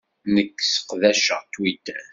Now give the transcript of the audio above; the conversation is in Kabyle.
Nekk sseqdaceɣ Twitter.